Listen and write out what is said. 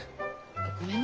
ごめんね。